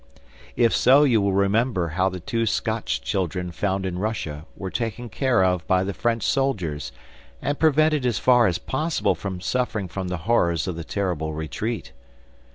If so, you will remember how the two Scotch children found in Russia were taken care of by the French soldiers and prevented as far as possible from suffering from the horrors of the terrible Retreat.